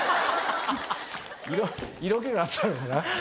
色気があったのかな？